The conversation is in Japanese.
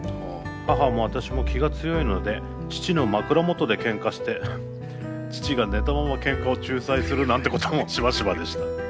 母も私も気が強いので父の枕元でけんかして父が寝たままけんかを仲裁するなんてこともしばしばでした」。